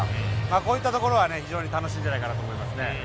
こういったところは非常に楽しいんじゃないかなと思いますね。